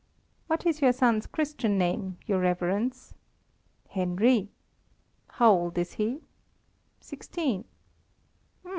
"What is your son's Christian name, your Reverence?" "Henry." "How old is he?" "Sixteen."